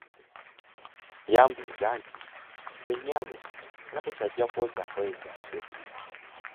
Yambuuza nti, "ggwe nnyabo, nga tokyajja kwoza ngoye zaffe?